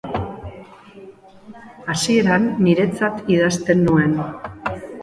Hasieran, niretzat idazten nuen.